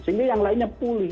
sehingga yang lainnya pulih